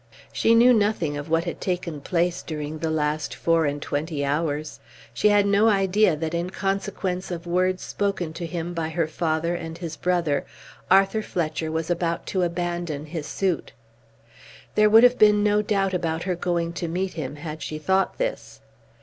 She knew nothing of what had taken place during the last four and twenty hours. She had no idea that in consequence of words spoken to him by her father and his brother, Arthur Fletcher was about to abandon his suit. There would have been no doubt about her going to meet him had she thought this.